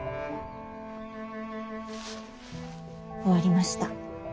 終わりました。